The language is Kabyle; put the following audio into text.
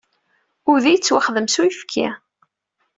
Udi yettwaxdam s uyefki.